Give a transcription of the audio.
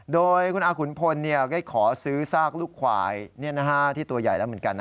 โดยคุณอาขุนพลได้ขอซื้อซากลูกควายที่ตัวใหญ่แล้วเหมือนกันนะ